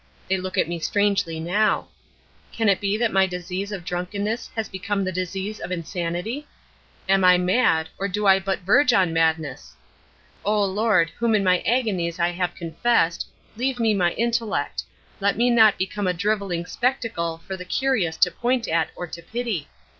They look at me strangely now. Can it be that my disease of drunkenness has become the disease of insanity? Am I mad, or do I but verge on madness? O Lord, whom in my agonies I have confessed, leave me my intellect let me not become a drivelling spectacle for the curious to point at or to pity!